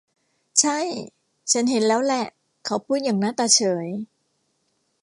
ใช่ ฉันเห็นแล้วแหละ เขาพูดอย่างหน้าตาเฉย